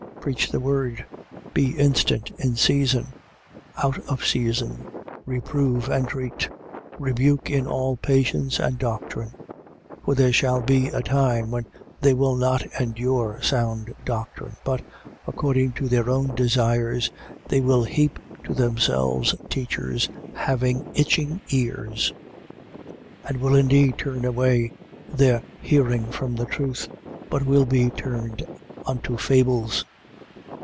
Preach the word: be instant in season, out of season: reprove, entreat, rebuke in all patience and doctrine. 4:3. For there shall be a time when they will not endure sound doctrine but, according to their own desires, they will heap to themselves teachers having itching ears: 4:4. And will indeed turn away their hearing from the truth, but will be turned unto fables.